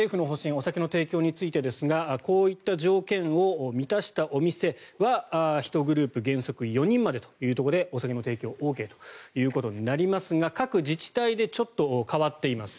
お酒の提供についてですがこういった条件を満たしたお店は１グループ原則４人までというところでお酒の提供ＯＫとなりますが各自治体でちょっと変わっています。